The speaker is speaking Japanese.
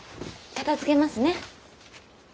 片づけますね。